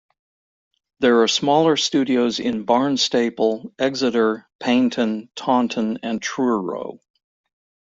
There are smaller studios in Barnstaple, Exeter, Paignton, Taunton and Truro.